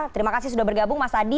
terima kasih sudah bergabung mas adi